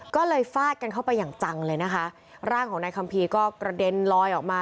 ก็เลยฟาดกันเข้าไปอย่างจังเลยนะคะร่างของนายคัมภีร์ก็กระเด็นลอยออกมา